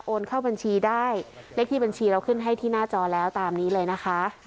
เข้าบัญชีได้เลขที่บัญชีเราขึ้นให้ที่หน้าจอแล้วตามนี้เลยนะคะ